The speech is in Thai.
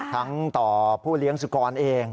ทั้งต่อผู้เลี้ยงสุกรเอง